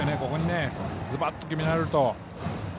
ここにズバッと決められると。